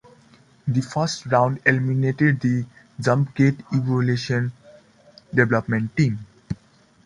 The first round eliminated the Jumpgate Evolution development team.